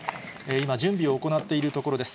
今、準備を行っているところです。